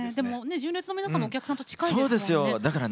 純烈の皆さんもお客さんと近いですよね。